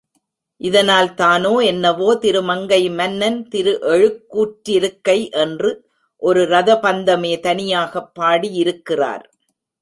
இதனால்தானோ என்னவோ திருமங்கைமன்னன் திருஎழுக்கூற்றிருக்கை என்று ஒரு ரதபந்தமே தனியாகப் பாடியிருக்கிறார்.